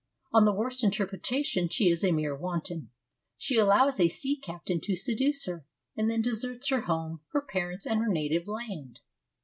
On the worst interpretation she is a mere wanton. She allows a sea captain to seduce her, and then deserts her home, her parents, and her native land.